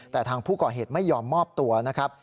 แต่ทางผู้ก่อเหตุไม่ยอมมอบตัวนะครับ